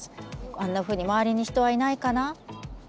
あんなふうに周りに人はいないかなね